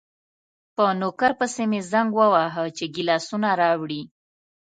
په نوکر پسې مې زنګ وواهه چې ګیلاسونه راوړي.